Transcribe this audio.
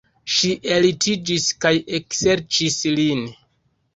Ŝi ellitiĝis kaj ekserĉis lin.